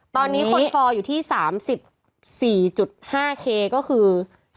ตอนนี้คนฟอลอยู่ที่๓๔๕เคก็คือ๓๔๕๐๐๐